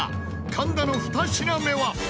神田の２品目は？